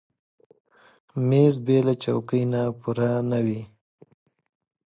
مېز بېله چوکۍ نه پوره نه وي.